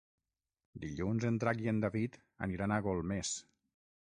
Dilluns en Drac i en David aniran a Golmés.